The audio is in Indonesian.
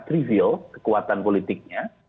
trivial kekuatan politiknya